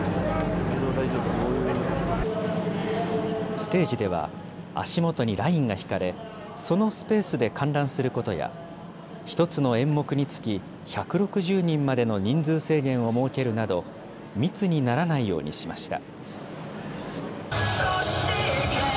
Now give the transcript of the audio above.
ステージでは、足元にラインが引かれ、そのスペースで観覧することや、１つの演目につき、１６０人までの人数制限を設けるなど、密にならないようにしました。